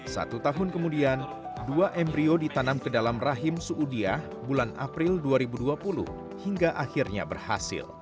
satu tahun kemudian dua embryo ditanam ke dalam rahim suudiah bulan april dua ribu dua puluh hingga akhirnya berhasil